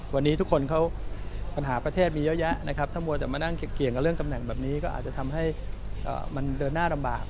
วันนี้ทุกคนเขาปัญหาประเทศมีเยอะแยะนะครับถ้ามัวแต่มานั่งเกี่ยงกับเรื่องตำแหน่งแบบนี้ก็อาจจะทำให้มันเดินหน้าลำบาก